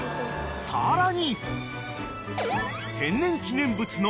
［さらに］